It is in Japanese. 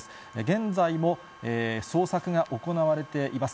現在も捜索が行われています。